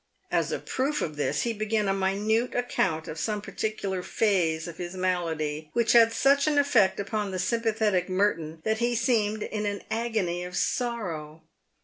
As a proof of this, he began a minute account of some particular phase of his malady, which had such an effect upon the sympathetic Merton, that he seemed in an agony of sorrow.